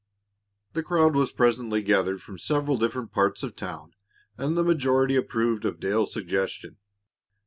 The crowd was presently gathered from several different parts of town, and the majority approved of Dale's suggestion.